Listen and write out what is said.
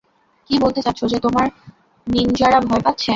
কি বলতে চাচ্ছ যে তোমার নিন্জারা ভয় পাচ্ছে?